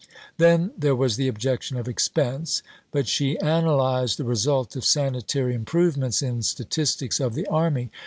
Then there was the objection of expense, but she analysed the result of sanitary improvements in statistics of the army.